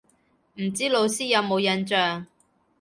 唔知老師有冇印象